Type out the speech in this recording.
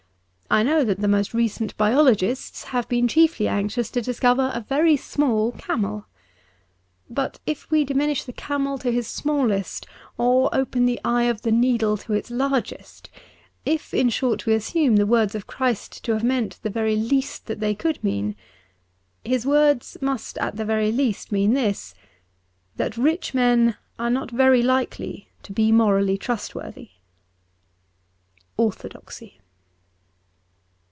I know that the most recent biologists have been chiefly anxious to discover a very small camel. But if we diminish the camel to his smallest, or open the eye of the needle to its largest : if, in short, we assume the words of Christ to have meant the very least that they could 'mean, His words must at the very least mean this — that rich men are not very likely to be morally trustworthy. ^Orthodoxy.''